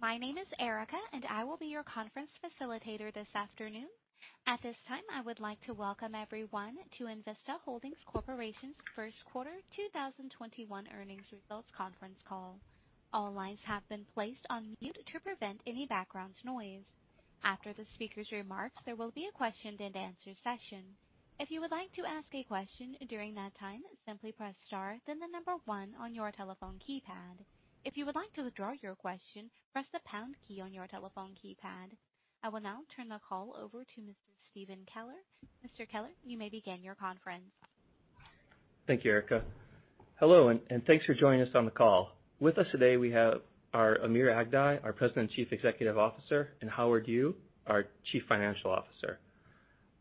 My name is Erica, and I will be your conference facilitator this afternoon. At this time, I would like to welcome everyone to Envista Holdings Corporation's First Quarter 2021 Earnings Results Conference Call. All lines have been placed on mute to prevent any background noise. After the speaker's remarks, there will be a question-and-answer session. If you would like to ask a question during that time, simply press star then the number one on your telephone keypad. If you would like to withdraw your question, press the pound key on your telephone keypad. I will now turn the call over to Mr. Steven Keller. Mr. Keller, you may begin your conference. Thank you, Erica. Hello, and thanks for joining us on the call. With us today, we have our Amir Aghdaei, our President and Chief Executive Officer, and Howard Yu, our Chief Financial Officer.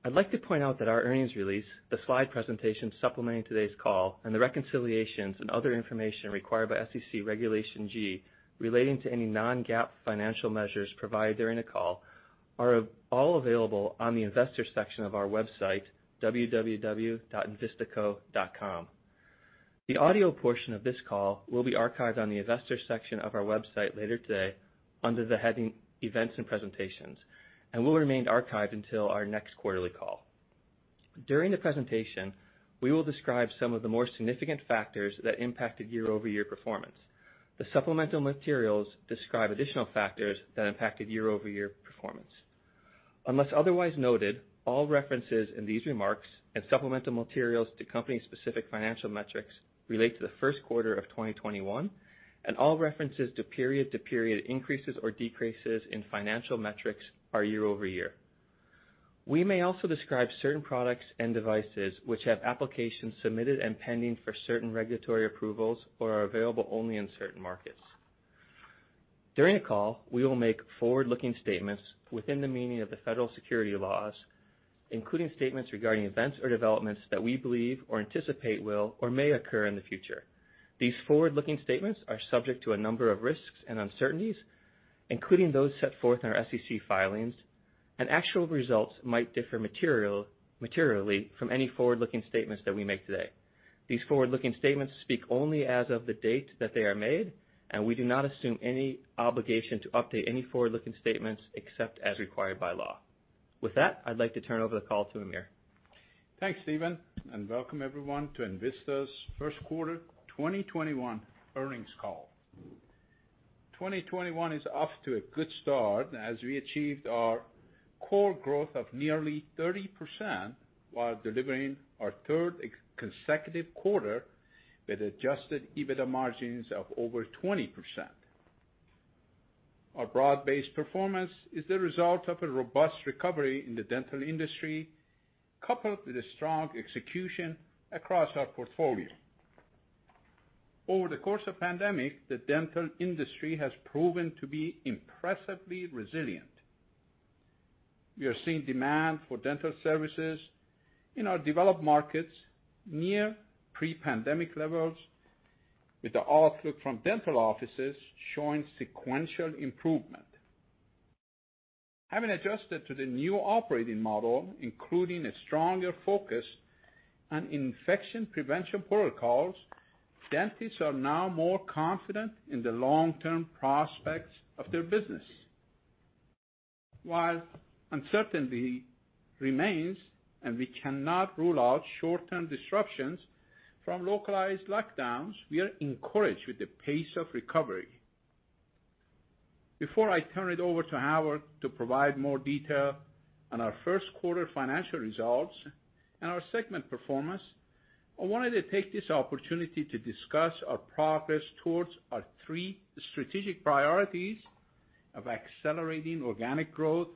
I'd like to point out that our earnings release, the slide presentation supplementing today's call, and the reconciliations and other information required by SEC Regulation G relating to any non-GAAP financial measures provided during the call, are all available on the investor section of our website, www.envistaco.com. The audio portion of this call will be archived on the investor section of our website later today under the heading Events and Presentations and will remain archived until our next quarterly call. During the presentation, we will describe some of the more significant factors that impacted year-over-year performance. The supplemental materials describe additional factors that impacted year-over-year performance. Unless otherwise noted, all references in these remarks and supplemental materials to company-specific financial metrics relate to the first quarter of 2021, and all references to period-to-period increases or decreases in financial metrics are year-over-year. We may also describe certain products and devices which have applications submitted and pending for certain regulatory approvals or are available only in certain markets. During the call, we will make forward-looking statements within the meaning of the Federal Securities laws, including statements regarding events or developments that we believe or anticipate will or may occur in the future. These forward-looking statements are subject to a number of risks and uncertainties, including those set forth in our SEC filings, and actual results might differ materially from any forward-looking statements that we make today. These forward-looking statements speak only as of the date that they are made, and we do not assume any obligation to update any forward-looking statements except as required by law. With that, I'd like to turn over the call to Amir. Thanks, Steven, and welcome everyone to Envista's first quarter 2021 earnings call. 2021 is off to a good start as we achieved our core growth of nearly 30% while delivering our third consecutive quarter with adjusted EBITDA margins of over 20%. Our broad-based performance is the result of a robust recovery in the dental industry, coupled with a strong execution across our portfolio. Over the course of pandemic, the dental industry has proven to be impressively resilient. We are seeing demand for dental services in our developed markets near pre-pandemic levels, with the outlook from dental offices showing sequential improvement. Having adjusted to the new operating model, including a stronger focus on infection prevention protocols, dentists are now more confident in the long-term prospects of their business. While uncertainty remains, and we cannot rule out short-term disruptions from localized lockdowns, we are encouraged with the pace of recovery. Before I turn it over to Howard to provide more detail on our first quarter financial results and our segment performance, I wanted to take this opportunity to discuss our progress towards our three strategic priorities of accelerating organic growth,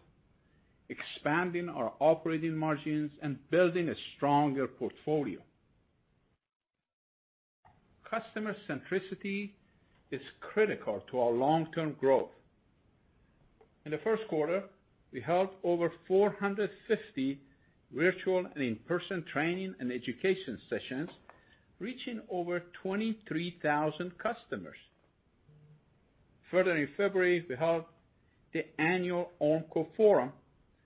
expanding our operating margins, and building a stronger portfolio. Customer centricity is critical to our long-term growth. In the first quarter, we held over 450 virtual and in-person training and education sessions, reaching over 23,000 customers. Further in February, we held the annual Ormco Forum,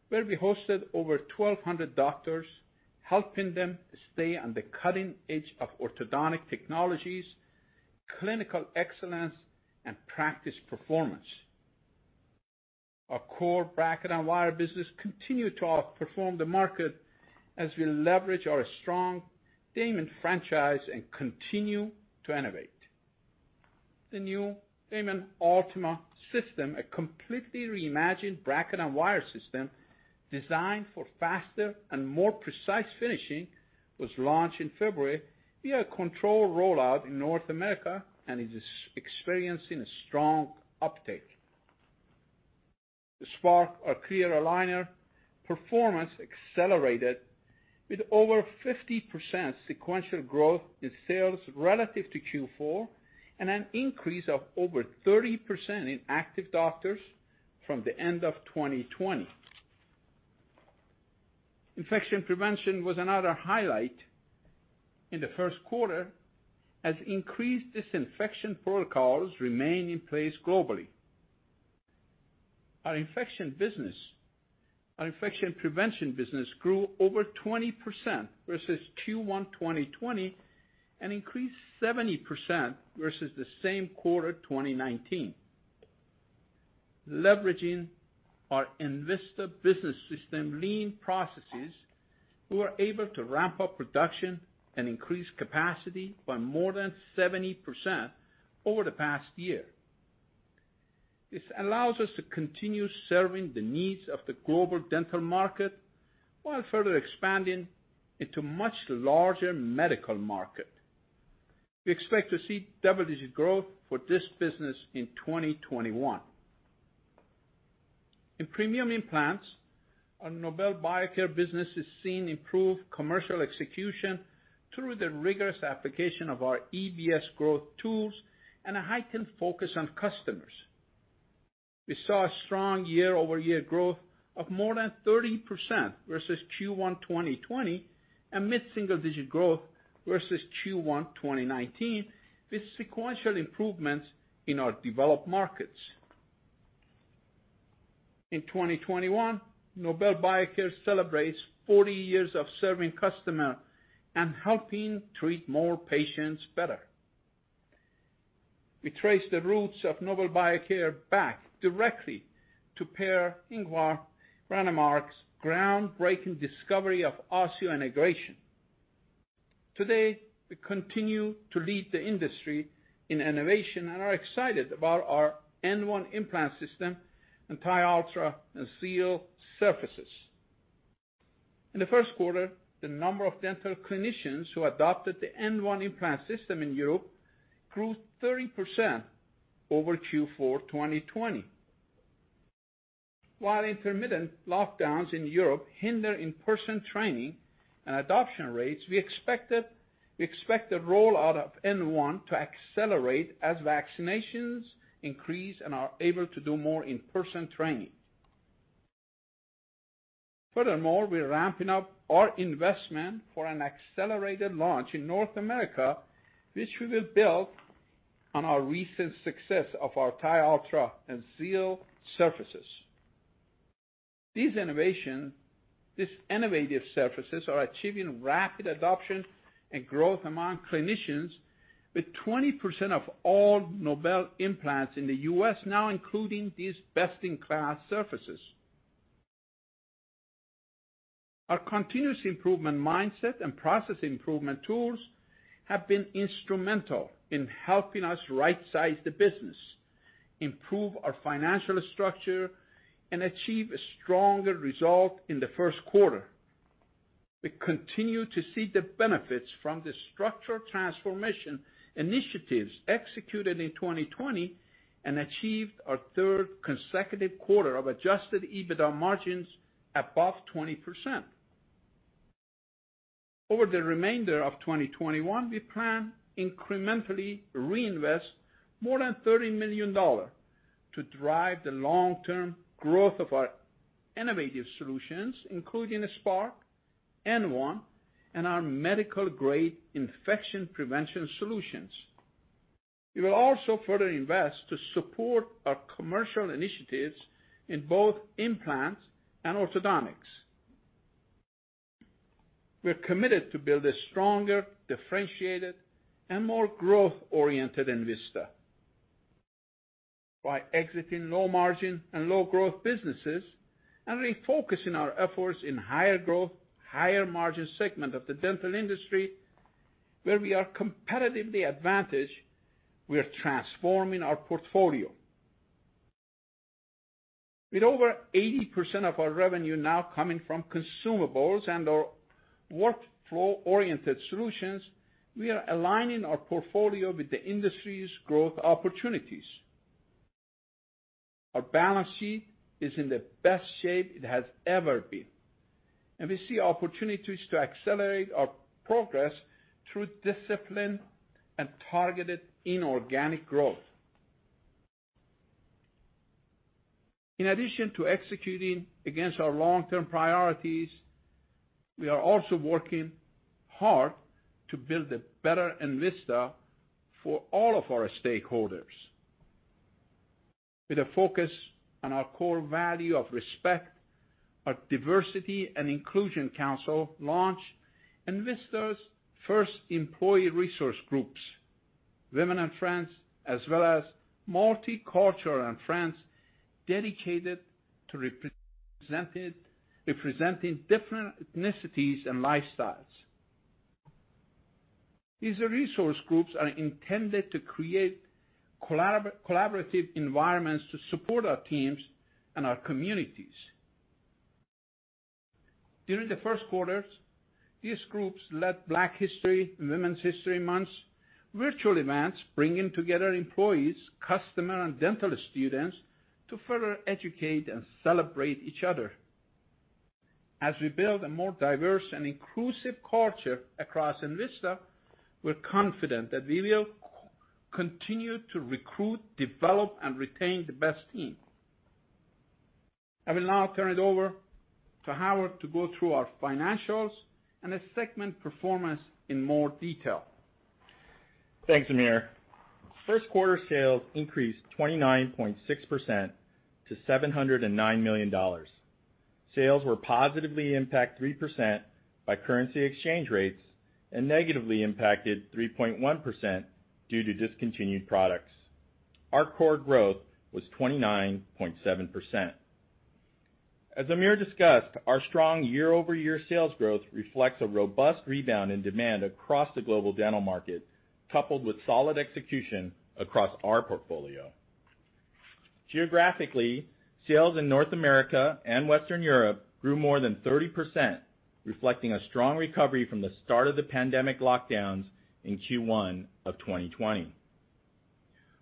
where we hosted over 1,200 doctors, helping them stay on the cutting edge of orthodontic technologies, clinical excellence, and practice performance. Our core bracket and wire business continue to outperform the market as we leverage our strong Damon franchise and continue to innovate. The new Damon Ultima system, a completely reimagined bracket and wire system designed for faster and more precise finishing, was launched in February via a controlled rollout in North America and is experiencing a strong uptake. The Spark, our clear aligner, performance accelerated with over 50% sequential growth in sales relative to Q4 and an increase of over 30% in active doctors from the end of 2020. Infection prevention was another highlight in the first quarter, as increased disinfection protocols remain in place globally. Our infection prevention business grew over 20% versus Q1 2020, and increased 70% versus the same quarter 2019. Leveraging our Envista Business System lean processes, we were able to ramp up production and increase capacity by more than 70% over the past year. This allows us to continue serving the needs of the global dental market while further expanding into much larger medical market. We expect to see double-digit growth for this business in 2021. In premium implants, our Nobel Biocare business has seen improved commercial execution through the rigorous application of our EBS growth tools and a heightened focus on customers. We saw a strong year-over-year growth of more than 30% versus Q1 2020, and mid-single digit growth versus Q1 2019, with sequential improvements in our developed markets. In 2021, Nobel Biocare celebrates 40 years of serving customer and helping treat more patients better. We trace the roots of Nobel Biocare back directly to Per-Ingvar Brånemark's groundbreaking discovery of osseointegration. Today, we continue to lead the industry in innovation and are excited about our N1 implant system, and TiUltra and Xeal surfaces. In the first quarter, the number of dental clinicians who adopted the N1 implant system in Europe grew 30% over Q4 2020. While intermittent lockdowns in Europe hinder in-person training and adoption rates, we expect the rollout of N1 to accelerate as vaccinations increase and are able to do more in-person training. We're ramping up our investment for an accelerated launch in North America, which will build on our recent success of our TiUltra and Xeal surfaces. These innovative surfaces are achieving rapid adoption and growth among clinicians, with 20% of all Nobel implants in the U.S. now including these best-in-class surfaces. Our continuous improvement mindset and process improvement tools have been instrumental in helping us right-size the business, improve our financial structure, and achieve a stronger result in the first quarter. We continue to see the benefits from the structural transformation initiatives executed in 2020, and achieved our third consecutive quarter of adjusted EBITDA margins above 20%. Over the remainder of 2021, we plan incrementally reinvest more than $30 million to drive the long-term growth of our innovative solutions, including Spark, N1, and our medical-grade infection prevention solutions. We will also further invest to support our commercial initiatives in both implants and orthodontics. We are committed to build a stronger, differentiated, and more growth-oriented Envista. By exiting low-margin and low-growth businesses and refocusing our efforts in higher-growth, higher-margin segment of the dental industry where we are competitively advantaged, we are transforming our portfolio. With over 80% of our revenue now coming from consumables and our workflow-oriented solutions, we are aligning our portfolio with the industry's growth opportunities. Our balance sheet is in the best shape it has ever been, and we see opportunities to accelerate our progress through discipline and targeted inorganic growth. In addition to executing against our long-term priorities, we are also working hard to build a better Envista for all of our stakeholders. With a focus on our core value of respect, our Diversity and Inclusion Council launched Envista's first employee resource groups, Women & Friends as well as Multicultural & Friends, dedicated to representing different ethnicities and lifestyles. These resource groups are intended to create collaborative environments to support our teams and our communities. During the first quarters, these groups led Black History and Women's History Months virtual events, bringing together employees, customer, and dental students to further educate and celebrate each other. As we build a more diverse and inclusive culture across Envista, we're confident that we will continue to recruit, develop, and retain the best team. I will now turn it over to Howard to go through our financials and the segment performance in more detail. Thanks, Amir, first quarter sales increased 29.6% to $709 million. Sales were positively impacted 3% by currency exchange rates and negatively impacted 3.1% due to discontinued products. Our core growth was 29.7%. As Amir discussed, our strong year-over-year sales growth reflects a robust rebound in demand across the global dental market, coupled with solid execution across our portfolio. Geographically, sales in North America and Western Europe grew more than 30%, reflecting a strong recovery from the start of the pandemic lockdowns in Q1 of 2020.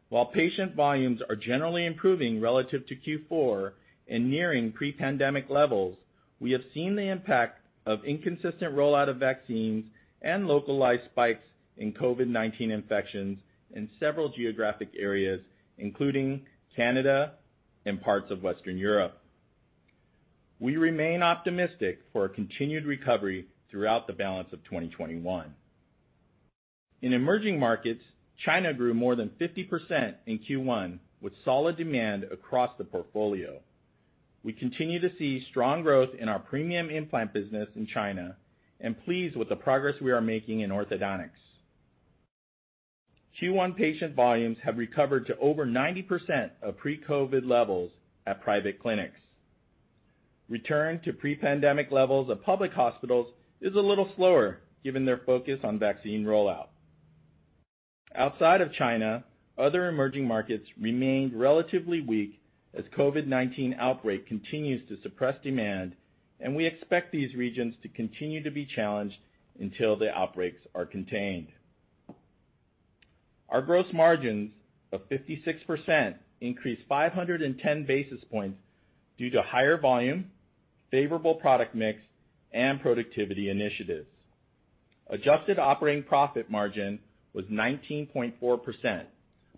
While patient volumes are generally improving relative to Q4 and nearing pre-pandemic levels, we have seen the impact of inconsistent rollout of vaccines and localized spikes in COVID-19 infections in several geographic areas, including Canada and parts of Western Europe. We remain optimistic for a continued recovery throughout the balance of 2021. In emerging markets, China grew more than 50% in Q1, with solid demand across the portfolio. We continue to see strong growth in our premium implant business in China and pleased with the progress we are making in orthodontics. Q1 patient volumes have recovered to over 90% of pre-COVID levels at private clinics. Return to pre-pandemic levels of public hospitals is a little slower given their focus on vaccine rollout. Outside of China, other emerging markets remained relatively weak as COVID-19 outbreak continues to suppress demand, and we expect these regions to continue to be challenged until the outbreaks are contained. Our gross margins of 56% increased 510 basis points due to higher volume, favorable product mix, and productivity initiatives. Adjusted operating profit margin was 19.4%,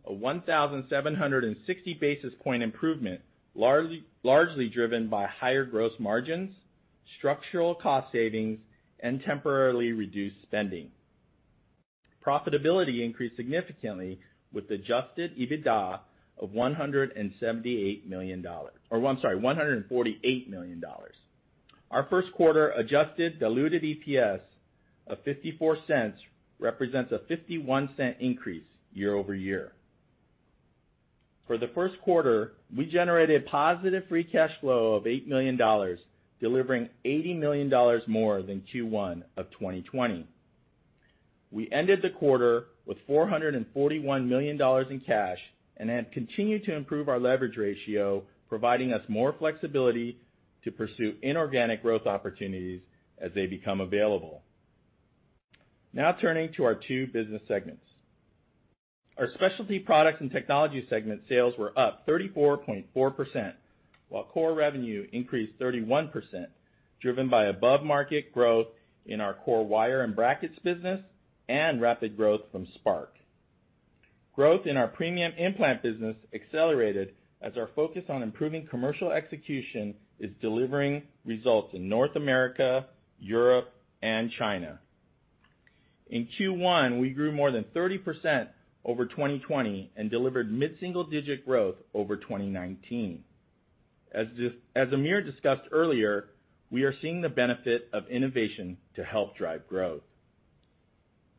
a 1,760 basis points improvement, largely driven by higher gross margins, structural cost savings, and temporarily reduced spending. Profitability increased significantly with adjusted EBITDA of $178 million. I'm sorry, $148 million. Our first quarter adjusted diluted EPS of $0.54 represents a $0.51 increase year-over-year. For the first quarter, we generated positive free cash flow of $8 million, delivering $80 million more than Q1 of 2020. We ended the quarter with $441 million in cash and have continued to improve our leverage ratio, providing us more flexibility to pursue inorganic growth opportunities as they become available. Turning to our two business segments. Our specialty products and technology segment sales were up 34.4%, while core revenue increased 31%, driven by above-market growth in our core wire and brackets business and rapid growth from Spark. Growth in our premium implant business accelerated as our focus on improving commercial execution is delivering results in North America, Europe, and China. In Q1, we grew more than 30% over 2020 and delivered mid-single digit growth over 2019. As Amir discussed earlier, we are seeing the benefit of innovation to help drive growth.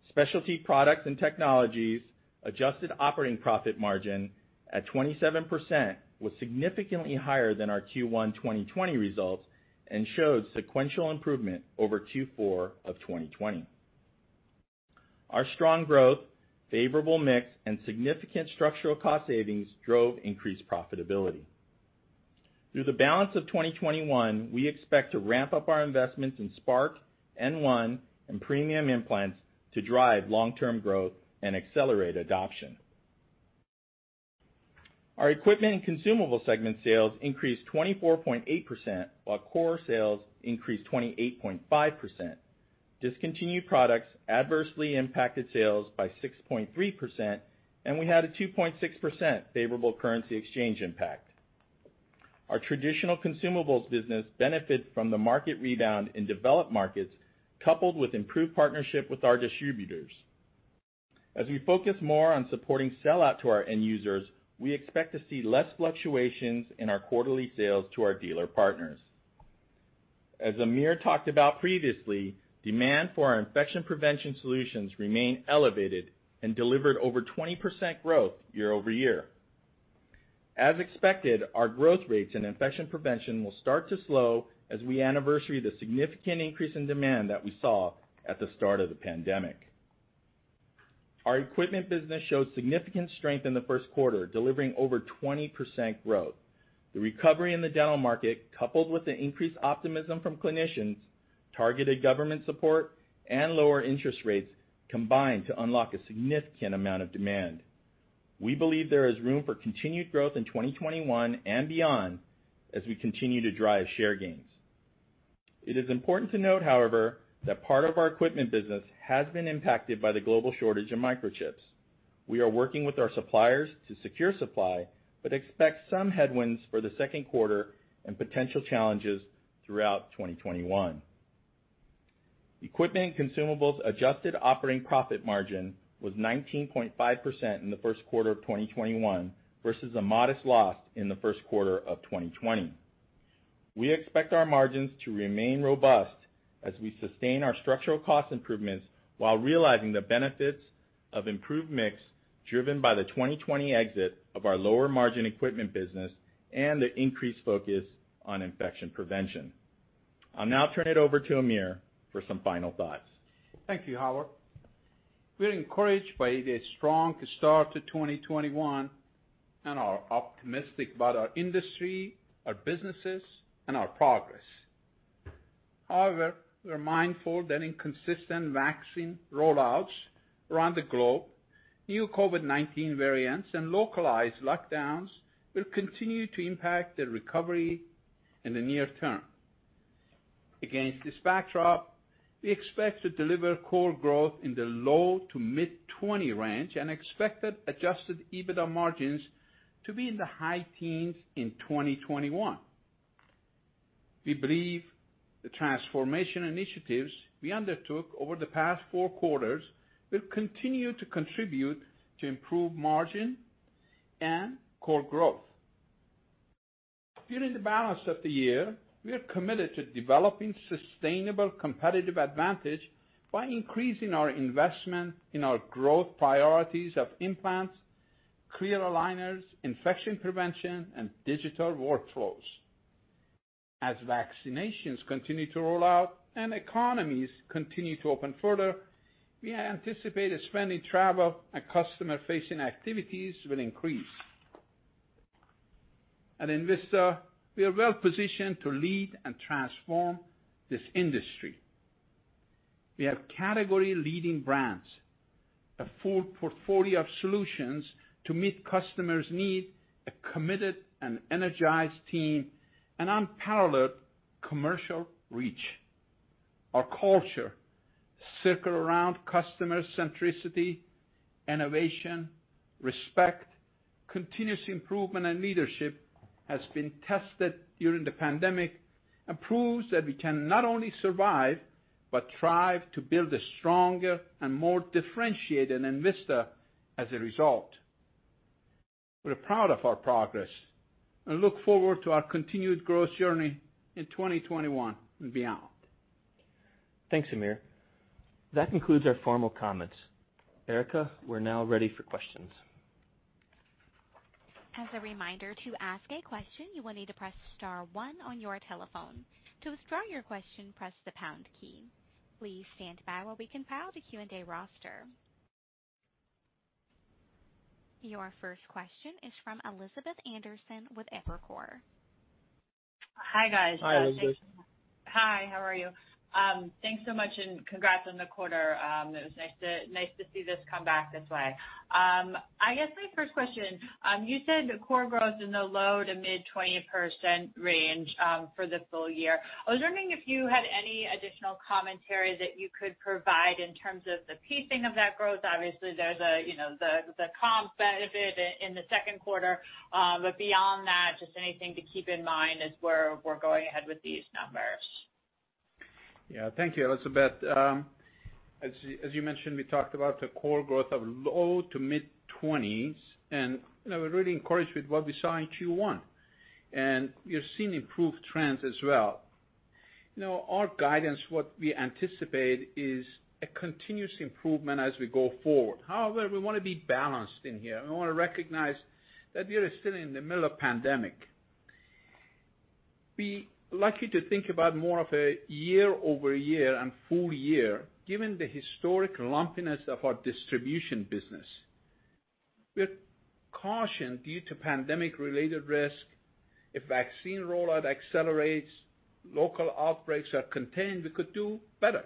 Specialty products and technologies adjusted operating profit margin at 27% was significantly higher than our Q1 2020 results and showed sequential improvement over Q4 of 2020. Our strong growth, favorable mix, and significant structural cost savings drove increased profitability. Through the balance of 2021, we expect to ramp up our investments in Spark, N1, and premium implants to drive long-term growth and accelerate adoption. Our equipment and consumable segment sales increased 24.8%, while core sales increased 28.5%. Discontinued products adversely impacted sales by 6.3%, and we had a 2.6% favorable currency exchange impact. Our traditional consumables business benefited from the market rebound in developed markets, coupled with improved partnership with our distributors. As we focus more on supporting sellout to our end users, we expect to see less fluctuations in our quarterly sales to our dealer partners. As Amir talked about previously, demand for our infection prevention solutions remain elevated and delivered over 20% growth year-over-year. As expected, our growth rates in infection prevention will start to slow as we anniversary the significant increase in demand that we saw at the start of the pandemic. Our equipment business showed significant strength in the first quarter, delivering over 20% growth. The recovery in the dental market, coupled with the increased optimism from clinicians, targeted government support, and lower interest rates, combined to unlock a significant amount of demand. We believe there is room for continued growth in 2021 and beyond as we continue to drive share gains. It is important to note, however, that part of our equipment business has been impacted by the global shortage in microchips. We are working with our suppliers to secure supply, expect some headwinds for the second quarter and potential challenges throughout 2021. Equipment consumables adjusted operating profit margin was 19.5% in the first quarter of 2021, versus a modest loss in the first quarter of 2020. We expect our margins to remain robust as we sustain our structural cost improvements, while realizing the benefits of improved mix driven by the 2020 exit of our lower margin equipment business, and the increased focus on infection prevention. I'll now turn it over to Amir for some final thoughts. Thank you, Howard. We're encouraged by the strong start to 2021, and are optimistic about our industry, our businesses, and our progress. However, we are mindful that inconsistent vaccine rollouts around the globe, new COVID-19 variants, and localized lockdowns will continue to impact the recovery in the near term. Against this backdrop, we expect to deliver core growth in the low to mid-20% range and expect adjusted EBITDA margins to be in the high teens in 2021. We believe the transformation initiatives we undertook over the past four quarters will continue to contribute to improved margin and core growth. During the balance of the year, we are committed to developing sustainable competitive advantage by increasing our investment in our growth priorities of implants, clear aligners, infection prevention, and digital workflows. As vaccinations continue to roll out and economies continue to open further, we anticipate spending travel and customer facing activities will increase. At Envista, we are well-positioned to lead and transform this industry. We have category leading brands, a full portfolio of solutions to meet customers' needs, a committed and energized team, and unparalleled commercial reach. Our culture, circle around customer centricity, innovation, respect, continuous improvement, and leadership, has been tested during the pandemic, and proves that we can not only survive, but thrive to build a stronger and more differentiated Envista as a result. We're proud of our progress and look forward to our continued growth journey in 2021 and beyond. Thanks, Amir. That concludes our formal comments. Erica, we're now ready for questions. As a reminder, to ask a question, you will need to press star one on your telephone. To withdraw your question, press the pound key. Please stand by while we compile the Q&A roster. Your first question is from Elizabeth Anderson with Evercore. Hi, guys. Hi, Elizabeth. Hi, how are you? Thanks so much, and congrats on the quarter. It was nice to see this come back this way. I guess my first question, you said core growth in the low to mid-20% range for the full year. I was wondering if you had any additional commentary that you could provide in terms of the piecing of that growth. Obviously, there's the comp benefit in the second quarter. Beyond that, just anything to keep in mind as we're going ahead with these numbers. Thank you, Elizabeth. As you mentioned, we talked about a core growth of low to mid-20%, and we're really encouraged with what we saw in Q1. We've seen improved trends as well. Our guidance, what we anticipate, is a continuous improvement as we go forward. However, we want to be balanced in here, and we want to recognize that we are still in the middle of pandemic. Be lucky to think about more of a year-over-year and full year, given the historic lumpiness of our distribution business. With caution due to pandemic related risk, if vaccine rollout accelerates, local outbreaks are contained, we could do better.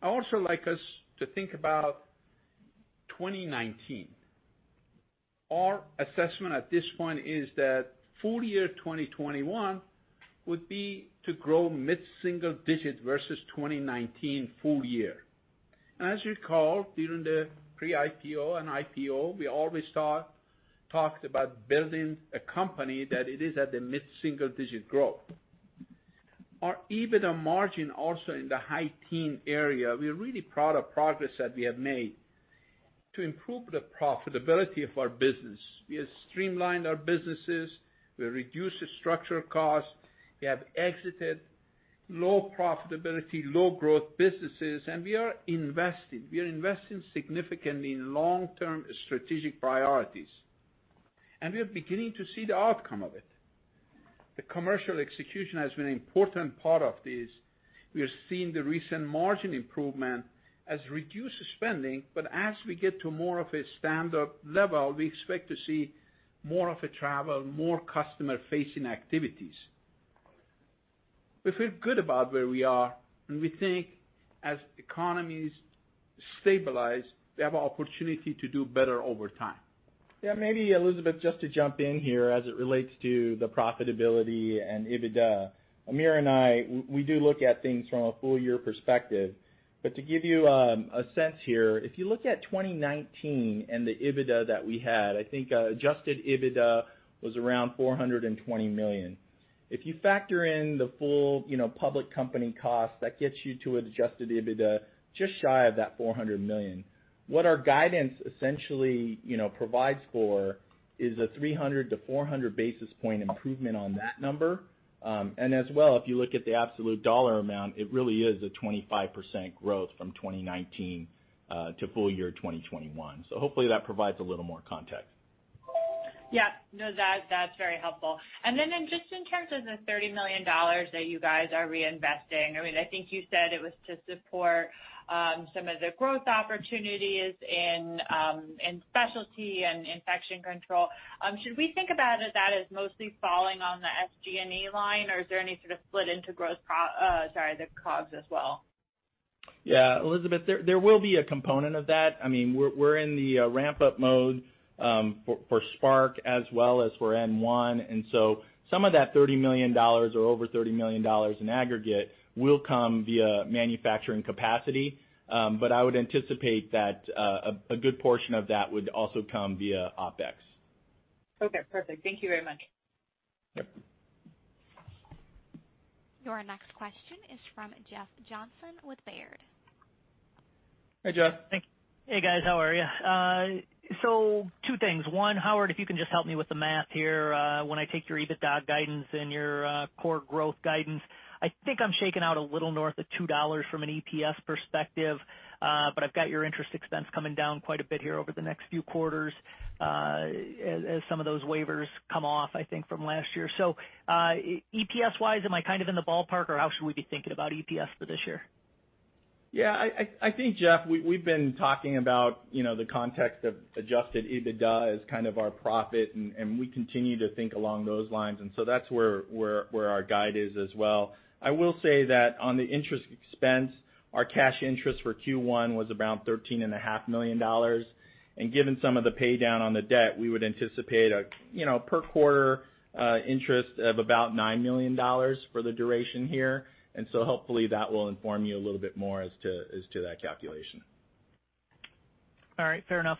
I also like us to think about 2019. Our assessment at this point is that full year 2021 would be to grow mid-single digit versus 2019 full year. As you recall, during the pre-IPO and IPO, we always talked about building a company that it is at the mid-single digit growth. Our EBITDA margin also in the high teen area. We are really proud of progress that we have made to improve the profitability of our business. We have streamlined our businesses. We have reduced structural costs. We have exited low profitability, low growth businesses, and we are investing. We are investing significantly in long-term strategic priorities. We are beginning to see the outcome of it. The commercial execution has been an important part of this. We are seeing the recent margin improvement as reduced spending, but as we get to more of a stand-up level, we expect to see more of a travel, more customer facing activities. We feel good about where we are, and we think as economies stabilize, we have an opportunity to do better over time. Yeah, maybe, Elizabeth, just to jump in here as it relates to the profitability and EBITDA. Amir and I, we do look at things from a full year perspective. To give you a sense here, if you look at 2019 and the EBITDA that we had, I think adjusted EBITDA was around $420 million. If you factor in the full public company cost, that gets you to adjusted EBITDA just shy of that $400 million. What our guidance essentially provides for is a 300 basis points-400 basis points improvement on that number. As well, if you look at the absolute dollar amount, it really is a 25% growth from 2019 to full year 2021. Hopefully that provides a little more context. Yeah, to, that's very helpful. Just in terms of the $30 million that you guys are reinvesting, I think you said it was to support some of the growth opportunities in specialty and infection control. Should we think about that as mostly falling on the SG&A line, or is there any sort of split into the COGS as well? Yeah, Elizabeth, there will be a component of that. We're in the ramp-up mode for Spark as well as for N1, and so some of that $30 million or over $30 million in aggregate will come via manufacturing capacity. I would anticipate that a good portion of that would also come via OpEx. Okay, perfect, thank you very much. Yep. Your next question is from Jeff Johnson with Baird. Hi, Jeff. Hey, guys, how are you? Two things. One, Howard, if you can just help me with the math here. When I take your EBITDA guidance and your core growth guidance, I think I'm shaking out a little north of $2 from an EPS perspective. I've got your interest expense coming down quite a bit here over the next few quarters, as some of those waivers come off, I think, from last year. EPS-wise, am I kind of in the ballpark, or how should we be thinking about EPS for this year? Yeah, I think, Jeff, we've been talking about the context of adjusted EBITDA as kind of our profit, and we continue to think along those lines. That's where our guide is as well. I will say that on the interest expense, our cash interest for Q1 was around $13.5 million. Given some of the paydown on the debt, we would anticipate a per quarter interest of about $9 million for the duration here. Hopefully, that will inform you a little bit more as to that calculation. All right, fair enough.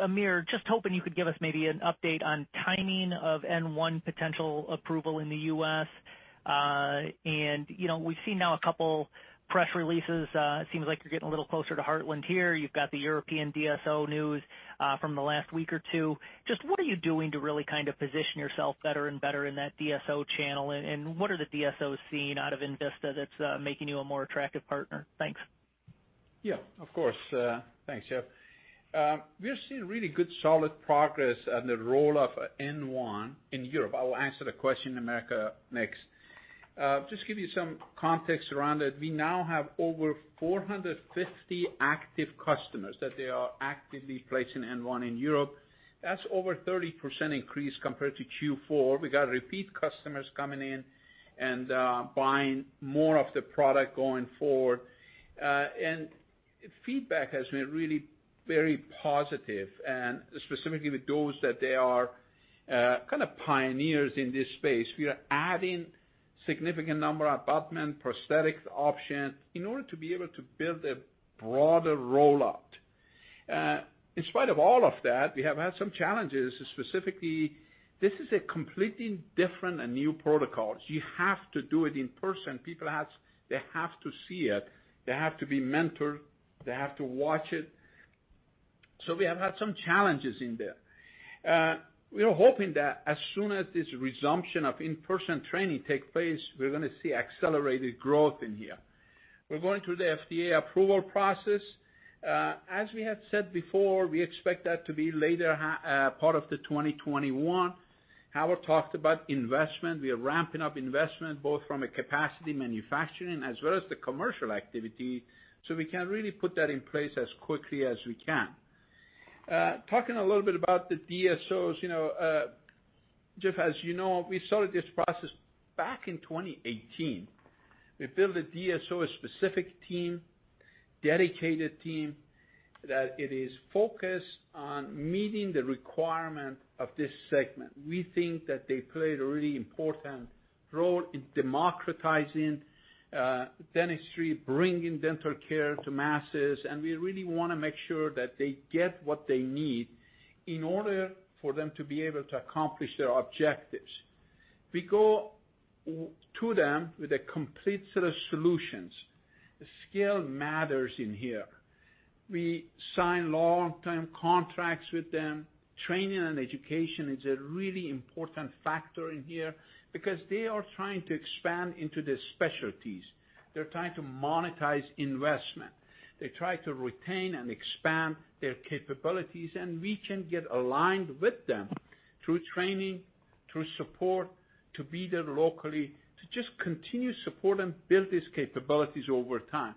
Amir, just hoping you could give us maybe an update on timing of N1 potential approval in the U.S. We've seen now a couple press releases. Seems like you're getting a little closer to Heartland here. You've got the European DSO news from the last week or two. Just what are you doing to really kind of position yourself better and better in that DSO channel, and what are the DSOs seeing out of Envista that's making you a more attractive partner? Thanks. Yeah, of course, thanks, Jeff. We're seeing really good, solid progress on the roll of N1 in Europe. I will answer the question, Amir, next. Just give you some context around it. We now have over 450 active customers that they are actively placing N1 in Europe. That's over 30% increase compared to Q4. We got repeat customers coming in and buying more of the product going forward. Feedback has been really very positive, and specifically with those that they are kind of pioneers in this space. We are adding significant number of abutment, prosthetics option in order to be able to build a broader rollout. In spite of all of that, we have had some challenges. Specifically, this is a completely different and new protocol. You have to do it in person. People, they have to see it, they have to be mentored, they have to watch it. We have had some challenges in there. We are hoping that as soon as this resumption of in-person training take place, we're going to see accelerated growth in here. We're going through the FDA approval process. As we have said before, we expect that to be later part of 2021. Howard talked about investment. We are ramping up investment, both from a capacity manufacturing as well as the commercial activity, so we can really put that in place as quickly as we can. Talking a little bit about the DSOs. Jeff, as you know, we started this process back in 2018. We built a DSO-specific team, dedicated team, that it is focused on meeting the requirement of this segment. We think that they played a really important role in democratizing dentistry, bringing dental care to masses, and we really want to make sure that they get what they need in order for them to be able to accomplish their objectives. We go to them with a complete set of solutions. The scale matters in here. We sign long-term contracts with them. Training and education is a really important factor in here because they are trying to expand into the specialties. They're trying to monetize investment. They try to retain and expand their capabilities, and we can get aligned with them through training, through support, to be there locally, to just continue support and build these capabilities over time.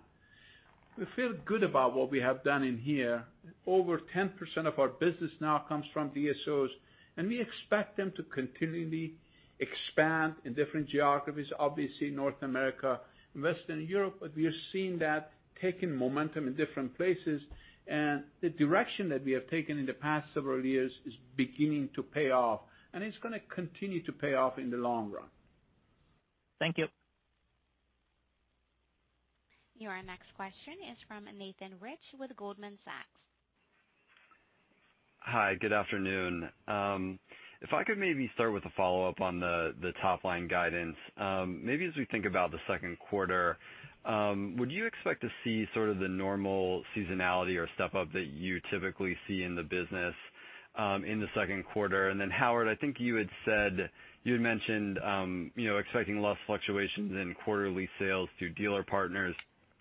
We feel good about what we have done in here. Over 10% of our business now comes from DSOs, we expect them to continually expand in different geographies, obviously North America, Western Europe, we are seeing that taking momentum in different places. The direction that we have taken in the past several years is beginning to pay off, it's going to continue to pay off in the long run. Thank you. Your next question is from Nathan Rich with Goldman Sachs. Hi, good afternoon, if I could maybe start with a follow-up on the top-line guidance. Maybe as we think about the second quarter, would you expect to see sort of the normal seasonality or step-up that you typically see in the business in the second quarter? Then Howard, I think you had mentioned expecting less fluctuations in quarterly sales through dealer partners.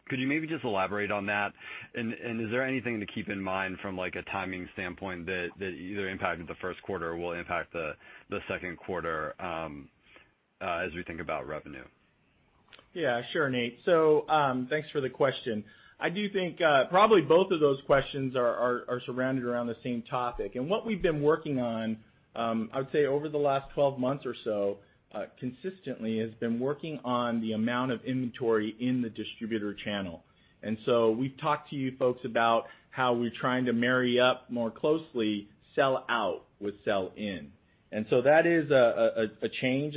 Could you maybe just elaborate on that? Is there anything to keep in mind from a timing standpoint that either impacted the first quarter or will impact the second quarter as we think about revenue? Sure, Nate. Thanks for the question. I do think probably both of those questions are surrounded around the same topic. What we've been working on, I would say, over the last 12 months or so consistently, has been working on the amount of inventory in the distributor channel. We've talked to you folks about how we're trying to marry up more closely sell out with sell in. That is a change.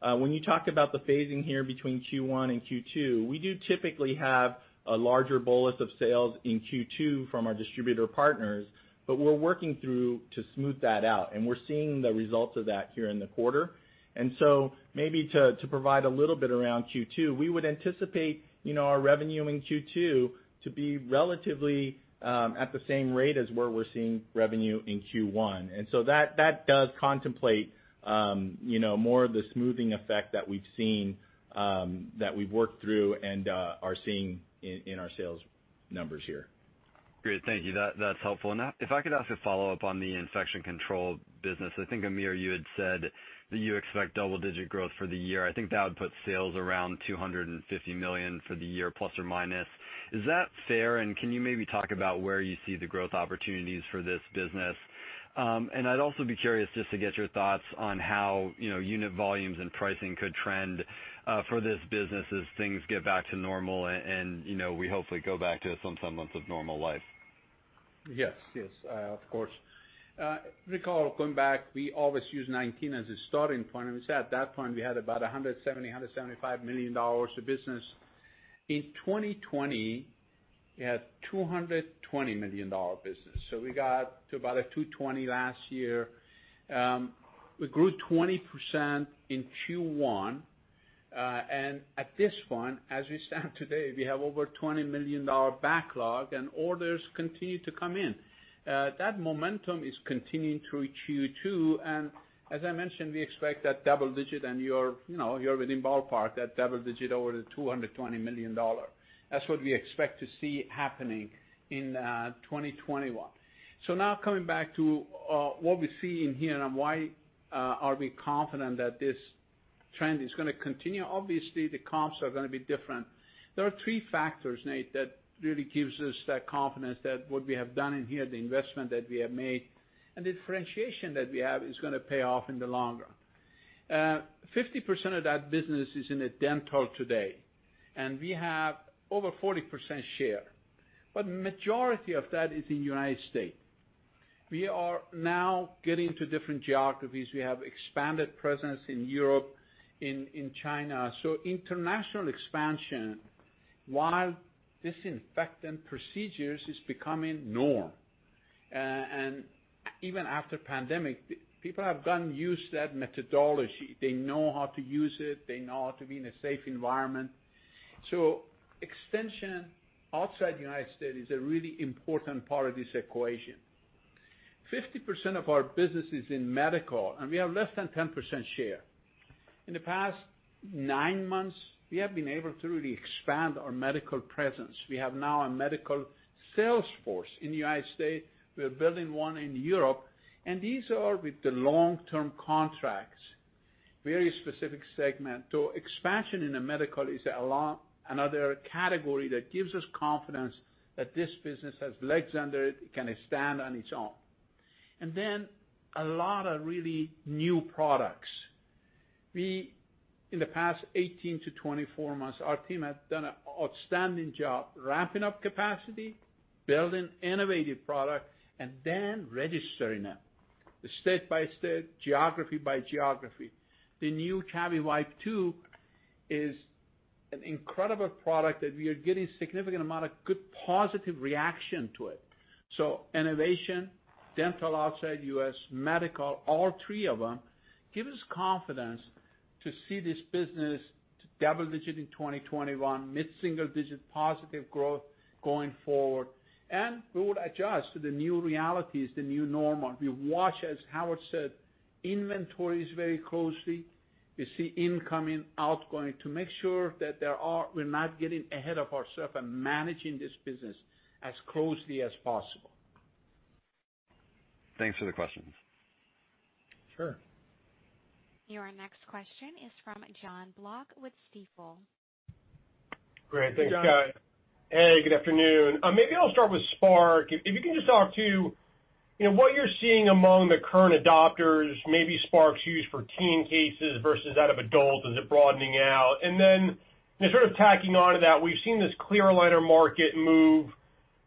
When you talk about the phasing here between Q1 and Q2, we do typically have a larger bolus of sales in Q2 from our distributor partners, but we're working through to smooth that out, and we're seeing the results of that here in the quarter. Maybe to provide a little bit around Q2, we would anticipate our revenue in Q2 to be relatively at the same rate as where we're seeing revenue in Q1. That does contemplate more of the smoothing effect that we've seen, that we've worked through, and are seeing in our sales numbers here. Great, thank you, that's helpful. If I could ask a follow-up on the infection control business, I think, Amir, you had said that you expect double-digit growth for the year. I think that would put sales around $250 million for the year, plus or minus. Is that fair? Can you maybe talk about where you see the growth opportunities for this business? I'd also be curious just to get your thoughts on how unit volumes and pricing could trend for this business as things get back to normal and we hopefully go back to some semblance of normal life. Yes, of course. Recall coming back, we always use 2019 as a starting point, at that point, we had about $170 million, $175 million of business. In 2020, we had $220 million business. we got to about a $220 million last year. We grew 20% in Q1. At this point, as we stand today, we have over $20 million backlog and orders continue to come in. That momentum is continuing through Q2, and as I mentioned, we expect that double digit, and you're within ballpark, that double digit over the $220 million. That's what we expect to see happening in 2021. Now coming back to what we see in here and why are we confident that this trend is going to continue. Obviously, the comps are going to be different. There are three factors, Nate, that really gives us that confidence that what we have done in here, the investment that we have made, and the differentiation that we have is going to pay off in the long run. 50% of that business is in dental today, and we have over 40% share. Majority of that is in United States. We are now getting to different geographies. We have expanded presence in Europe, in China. International expansion, while disinfectant procedures is becoming norm, and even after pandemic, people have gone used that methodology. They know how to use it. They know how to be in a safe environment. Extension outside United States is a really important part of this equation. 50% of our business is in medical, and we have less than 10% share. In the past nine months, we have been able to really expand our medical presence. We have now a medical sales force in the United States. We are building one in Europe. These are with the long-term contracts, very specific segment. Expansion in the medical is another category that gives us confidence that this business has legs under it. It can stand on its own. A lot of really new products. We, in the past 18-24 months, our team has done an outstanding job ramping up capacity, building innovative product, and then registering them, state-by-state, geography-by-geography. The new CaviWipes 2.0 is an incredible product that we are getting significant amount of good, positive reaction to it. Innovation, dental outside U.S., medical, all three of them give us confidence to see this business double-digit in 2021, mid-single-digit positive growth going forward. We would adjust to the new realities, the new normal. We watch, as Howard said, inventories very closely. We see incoming, outgoing, to make sure that we're not getting ahead of ourselves and managing this business as closely as possible. Thanks for the questions. Sure. Your next question is from Jon Block with Stifel. Great, thanks, guys. Hey, good afternoon. Maybe I'll start with Spark, if you can just talk to what you're seeing among the current adopters, maybe Spark's use for teen cases versus that of adult, is it broadening out? Sort of tacking onto that, we've seen this clear aligner market move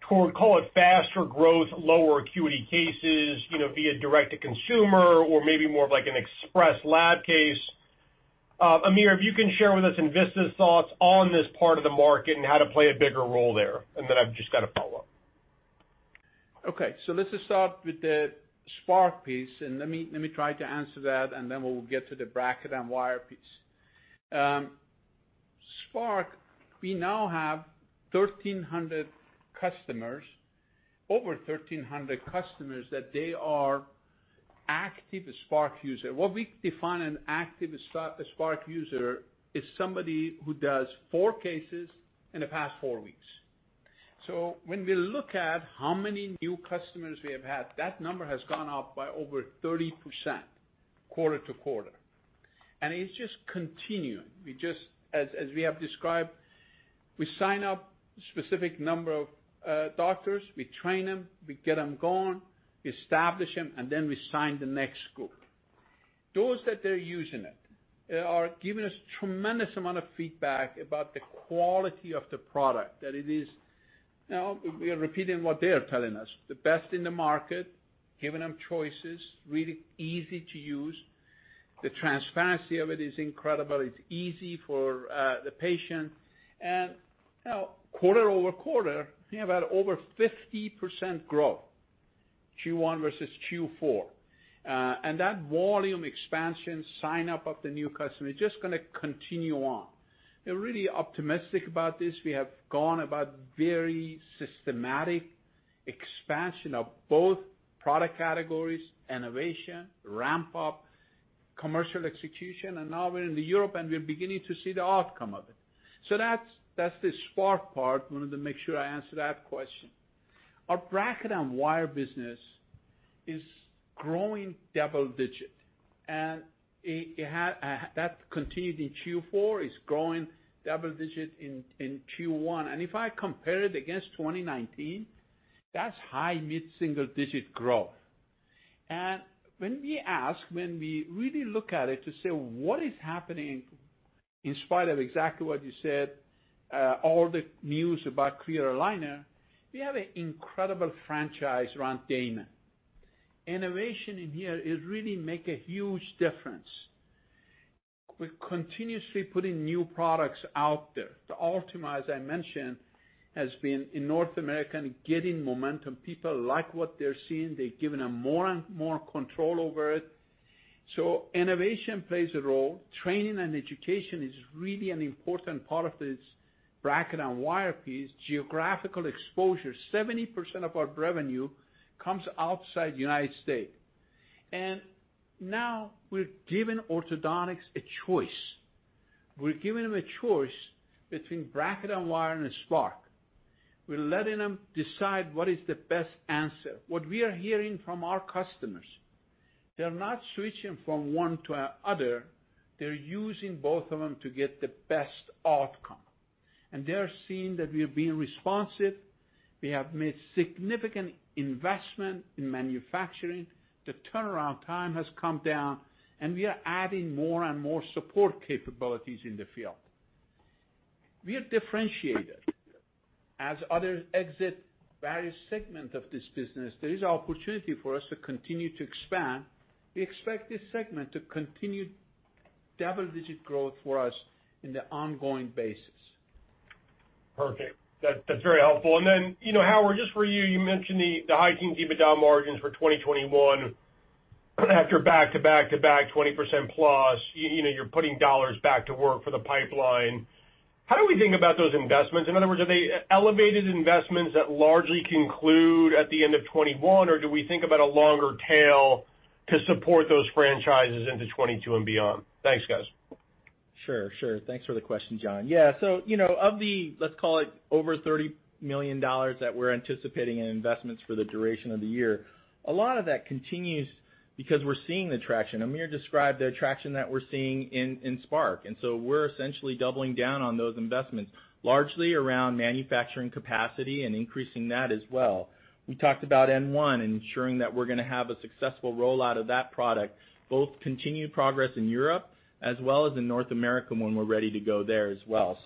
toward, call it faster growth, lower acuity cases, via direct to consumer or maybe more of like an express lab case. Amir, if you can share with us Envista's thoughts on this part of the market and how to play a bigger role there, and then I've just got a follow-up. Okay, let's just start with the Spark piece, and let me try to answer that, and then we'll get to the bracket and wire piece. Spark, we now have 1,300 customers, over 1,300 customers, that they are active Spark user. What we define an active Spark user is somebody who does four cases in the past four weeks. When we look at how many new customers we have had, that number has gone up by over 30% quarter-to-quarter. It's just continuing. As we have described, we sign up specific number of doctors, we train them, we get them going, we establish them, and then we sign the next group. Those that they're using it are giving us tremendous amount of feedback about the quality of the product, that it is, now, we are repeating what they are telling us, the best in the market, giving them choices, really easy to use. The transparency of it is incredible. It's easy for the patient. Now quarter-over-quarter, we have had over 50% growth, Q1 versus Q4. That volume expansion sign-up of the new customer is just going to continue on. We're really optimistic about this. We have gone about very systematic expansion of both product categories, innovation, ramp up, commercial execution, and now we're in Europe, and we're beginning to see the outcome of it. That's the Spark part, wanted to make sure I answer that question. Our bracket and wire business is growing double digit, and that continued in Q4, is growing double digit in Q1. If I compare it against 2019, that's high mid-single-digit growth. When we ask, when we really look at it to say, what is happening in spite of exactly what you said, all the news about clear aligner, we have an incredible franchise around Damon. Innovation in here is really make a huge difference. We're continuously putting new products out there. The Ultima, as I mentioned, has been in North America and getting momentum. People like what they're seeing. They've given them more and more control over it. Innovation plays a role, training and education is really an important part of this bracket and wire piece. Geographical exposure, 70% of our revenue comes outside United States. Now we're giving orthodontics a choice. We're giving them a choice between bracket and wire and Spark. We're letting them decide what is the best answer. What we are hearing from our customers, they're not switching from one to other. They're using both of them to get the best outcome. They're seeing that we're being responsive. We have made significant investment in manufacturing. The turnaround time has come down, and we are adding more and more support capabilities in the field. We are differentiated. As others exit various segment of this business, there is opportunity for us to continue to expand. We expect this segment to continue double-digit growth for us in the ongoing basis. Perfect, that's very helpful. Then, Howard, just for you mentioned the hiking EBITDA margins for 2021 after back to back to back 20%+. You're putting dollars back to work for the pipeline. How do we think about those investments? In other words, are they elevated investments that largely conclude at the end of 2021, or do we think about a longer tail to support those franchises into 2022 and beyond? Thanks, guys. Sure, thanks for the question, Jon. Yeah, you know of the, let's call it, over $30 million that we're anticipating in investments for the duration of the year, a lot of that continues because we're seeing the traction. Amir described the traction that we're seeing in Spark, we're essentially doubling down on those investments, largely around manufacturing capacity and increasing that as well. We talked about N1 and ensuring that we're going to have a successful rollout of that product, both continued progress in Europe as well as in North America when we're ready to go there as well.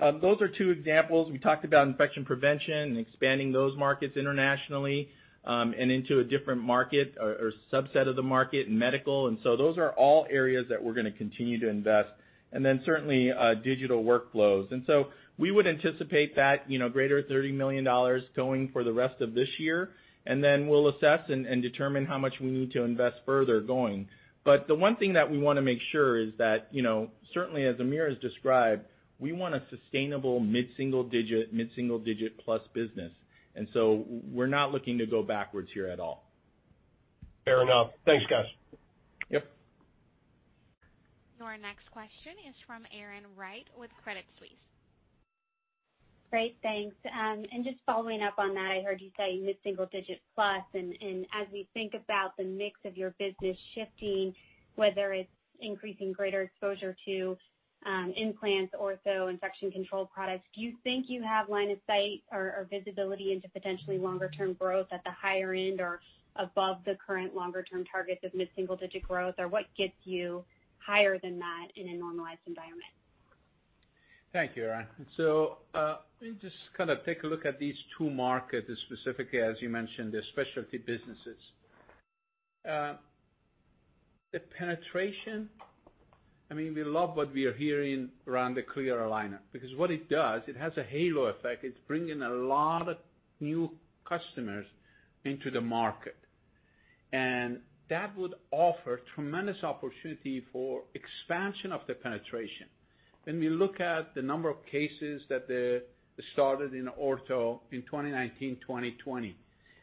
Those are two examples. We talked about infection prevention and expanding those markets internationally, into a different market or subset of the market, medical. Those are all areas that we're going to continue to invest. Certainly, digital workflows. We would anticipate that greater $30 million going for the rest of this year, and then we'll assess and determine how much we need to invest further going. The one thing that we want to make sure is that, certainly as Amir has described, we want a sustainable mid-single digit plus business. We're not looking to go backwards here at all. Fair enough, thanks, guys. Yep. Your next question is from Erin Wright with Credit Suisse. Great, thanks. Just following up on that, I heard you say mid-single digit plus, and as we think about the mix of your business shifting, whether it's increasing greater exposure to implants, ortho, infection control products, do you think you have line of sight or visibility into potentially longer term growth at the higher end or above the current longer term targets of mid-single digit growth, or what gets you higher than that in a normalized environment? Thank you, Wright. Let me just take a look at these two markets, specifically as you mentioned, the specialty businesses. The penetration, we love what we are hearing around the clear aligner, because what it does, it has a halo effect. It's bringing a lot of new customers into the market, and that would offer tremendous opportunity for expansion of the penetration. When we look at the number of cases that started in ortho in 2019, 2020,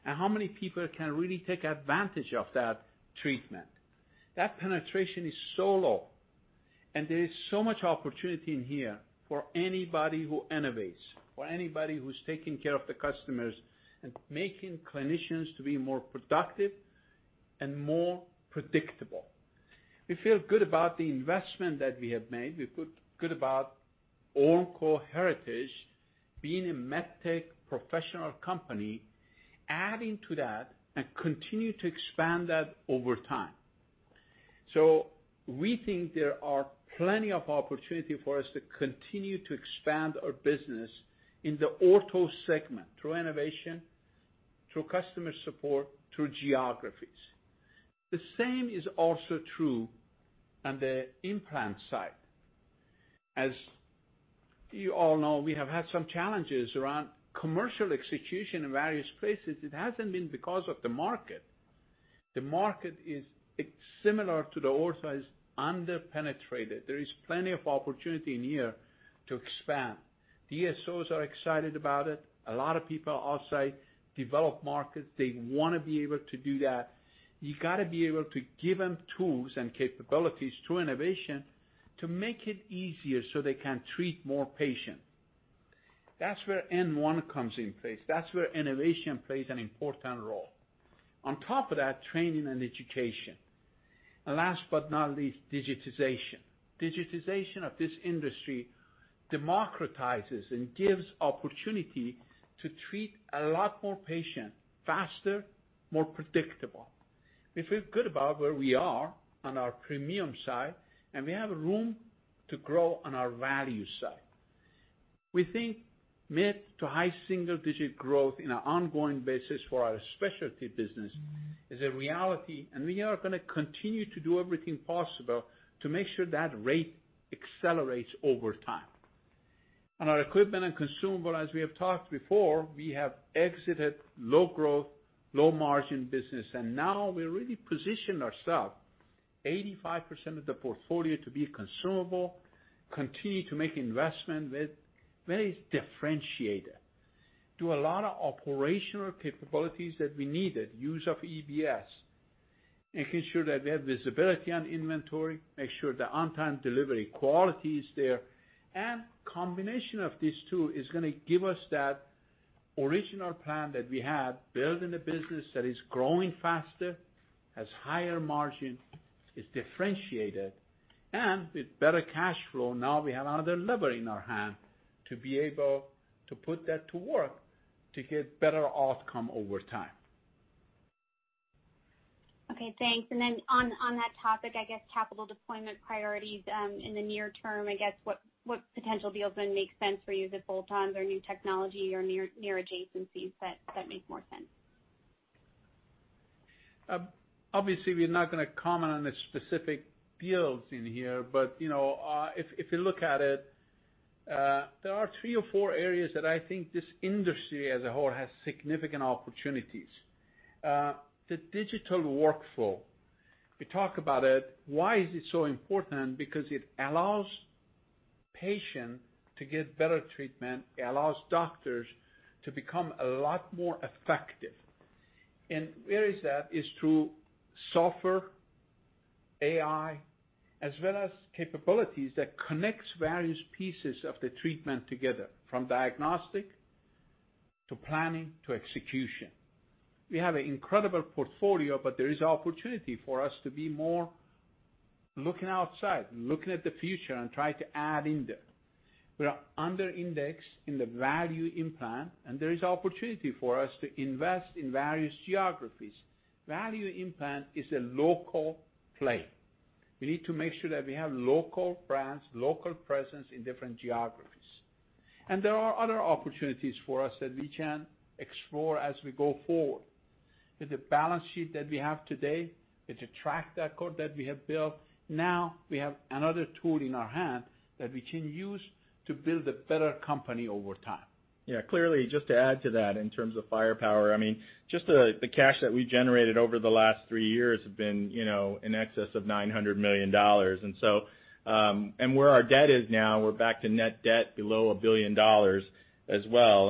and how many people can really take advantage of that treatment, that penetration is so low, and there is so much opportunity in here for anybody who innovates, for anybody who's taking care of the customers and making clinicians to be more productive and more predictable. We feel good about the investment that we have made. We feel good about Ormco heritage being a med tech professional company, adding to that and continue to expand that over time. We think there are plenty of opportunity for us to continue to expand our business in the ortho segment through innovation, through customer support, through geographies. The same is also true on the implant side. As you all know, we have had some challenges around commercial execution in various places. It hasn't been because of the market. The market is similar to the ortho's, under-penetrated. There is plenty of opportunity in here to expand. DSOs are excited about it. A lot of people are outside developed markets. They want to be able to do that. You got to be able to give them tools and capabilities through innovation to make it easier so they can treat more patients. That's where N1 comes in place. That's where innovation plays an important role. On top of that, training and education. Last but not least, digitization. Digitization of this industry democratizes and gives opportunity to treat a lot more patients faster, more predictable. We feel good about where we are on our premium side, and we have room to grow on our value side. We think mid to high single-digit growth in an ongoing basis for our specialty business is a reality, and we are going to continue to do everything possible to make sure that rate accelerates over time. On our equipment and consumable, as we have talked before, we have exited low growth, low margin business, and now we really positioned ourself, 85% of the portfolio to be consumable, continue to make investment with very differentiated. Do a lot of operational capabilities that we needed, use of EBS, making sure that we have visibility on inventory, make sure the on-time delivery quality is there. Combination of these two is going to give us that original plan that we had, building a business that is growing faster, has higher margin, is differentiated, and with better cash flow. Now we have another lever in our hand to be able to put that to work to get better outcome over time. Okay, thanks. Then on that topic, I guess capital deployment priorities in the near term, I guess what potential deals would make sense for you as a bolt-on or new technology or near adjacencies that make more sense? Obviously, we're not going to comment on the specific deals in here. If you look at it, there are three or four areas that I think this industry as a whole has significant opportunities. The digital workflow, we talk about it, why is it so important? It allows patient to get better treatment; it allows doctors to become a lot more effective. Where is that? Is through software, AI, as well as capabilities that connects various pieces of the treatment together, from diagnostic to planning to execution. We have an incredible portfolio, but there is opportunity for us to be more looking outside, looking at the future and try to add in there. We are under indexed in the value implant; there is opportunity for us to invest in various geographies, value implant is a local play. We need to make sure that we have local brands, local presence in different geographies. There are other opportunities for us that we can explore as we go forward. With the balance sheet that we have today, with the track record that we have built, now we have another tool in our hand that we can use to build a better company over time. Clearly, just to add to that in terms of firepower, just the cash that we generated over the last three years have been in excess of $900 million. Where our debt is now, we're back to net debt below a billion dollars as well.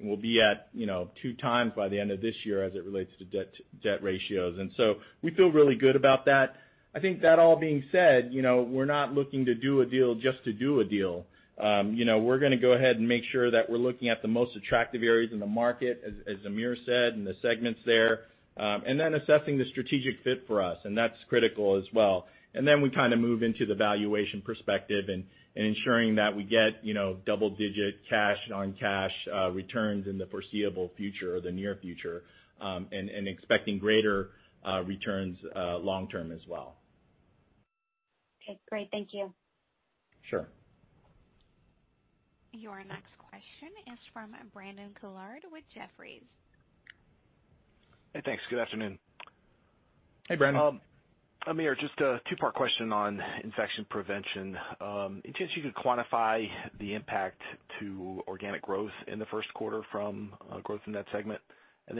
We'll be at 2x by the end of this year as it relates to debt ratios. So, we feel really good about that. I think that all being said, we're not looking to do a deal just to do a deal. We're going to go ahead and make sure that we're looking at the most attractive areas in the market, as Amir said, and the segments there, and then assessing the strategic fit for us, and that's critical as well. We move into the valuation perspective and ensuring that we get double-digit cash on cash returns in the foreseeable future or the near future, and expecting greater returns long-term as well. Okay, great, thank you. Sure. Your next question is from Brandon Couillard with Jefferies. Hey, thanks, good afternoon. Hey, Brandon. Amir, just a two-part question on infection prevention. Any chance you could quantify the impact to organic growth in the first quarter from growth in that segment?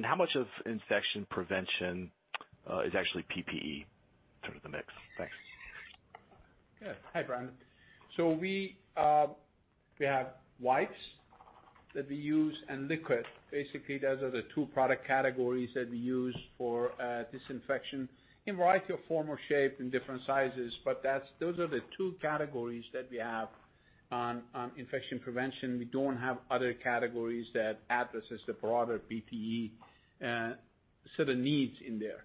How much of infection prevention is actually PPE sort of the mix? Thanks. Hi, Brandon, we have wipes that we use and liquid. Basically, those are the two product categories that we use for disinfection in variety of form or shape, in different sizes. Those are the two categories that we have on infection prevention. We don't have other categories that address the broader PPE sort of needs in there.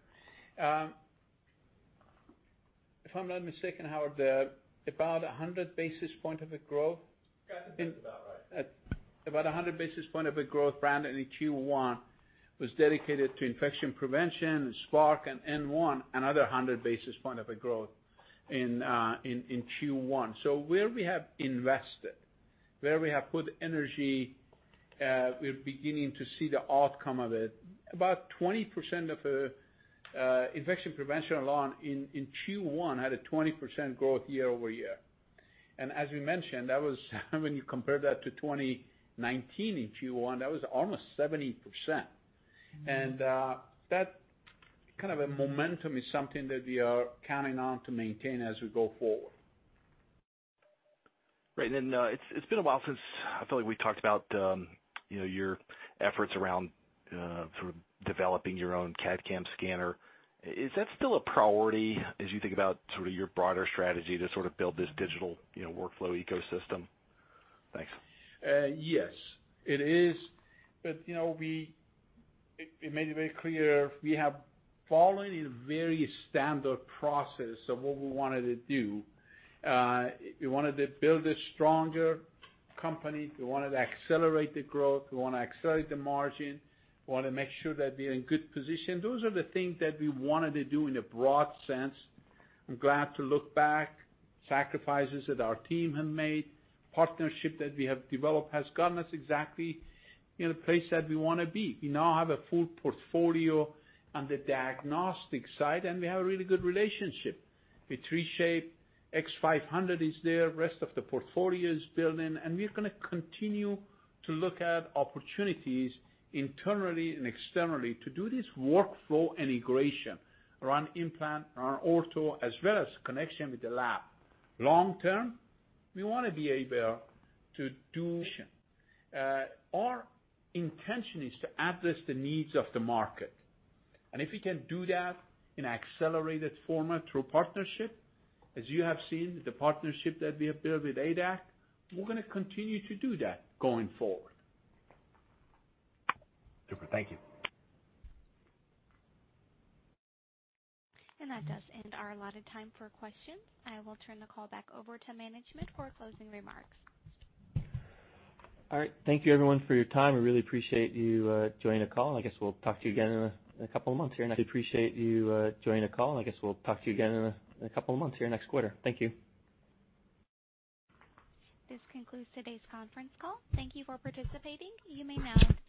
If I'm not mistaken, Howard, about 100 basis points. That's about right. About 100 basis point of the growth, Brandon, in Q1 was dedicated to infection prevention, Spark and N1, another 100 basis points of the growth in Q1. Where we have invested, where we have put energy, we're beginning to see the outcome of it. About 20% of infection prevention alone in Q1 had a 20% growth year-over-year. As we mentioned, when you compare that to 2019 in Q1, that was almost 70%. That kind of a momentum is something that we are counting on to maintain as we go forward. Right, it's been a while since I feel like we talked about your efforts around sort of developing your own CAD/CAM scanner. Is that still a priority as you think about sort of your broader strategy to sort of build this digital workflow ecosystem? Thanks. Yes, it is. We made it very clear we have followed a very standard process of what we wanted to do. We wanted to build a stronger company. We wanted to accelerate the growth. We want to accelerate the margin. We want to make sure that we're in good position. Those are the things that we wanted to do in a broad sense. I'm glad to look back. Sacrifices that our team have made, partnership that we have developed has gotten us exactly in a place that we want to be. We now have a full portfolio on the diagnostic side, and we have a really good relationship with 3Shape. X 500 is there, rest of the portfolio is building, and we're going to continue to look at opportunities internally and externally to do this workflow integration around implant, around ortho, as well as connection with the lab. Long term, our intention is to address the needs of the market. If we can do that in accelerated format through partnership, as you have seen with the partnership that we have built with ADAC, we're going to continue to do that going forward. Super, thank you. That does end our allotted time for questions. I will turn the call back over to management for closing remarks. All right, thank you everyone for your time. We really appreciate you joining the call, and I guess we'll talk to you again in a couple of months here next quarter, thank you. This concludes today's conference call. Thank you for participating, you may now disconnect.